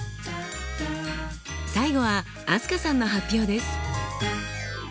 最後は飛鳥さんの発表です。